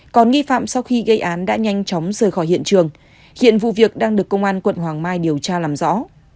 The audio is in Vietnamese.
còn nghi phạm sau khi gây án đã nhanh chóng rời khỏi hiện trường hiện vụ việc đang được công an quận hoàng mai điều tra làm rõ